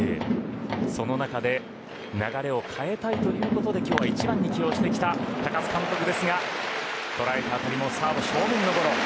その中で流れを変えたいということで今日は１番に起用してきた高津監督ですがとらえた当たりもサード正面のゴロ。